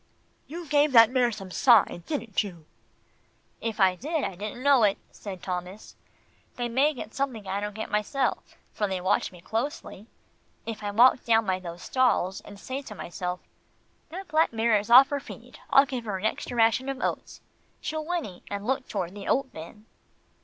"You gave that mare some sign, didn't you?" "If I did, I didn't know it," said Thomas. "They may get something I don't get myself, for they watch me closely. If I walk down by those stalls, and say to myself, 'That black mare is off her feed, I'll give her an extra ration of oats,' she'll whinny, and look toward the oat bin."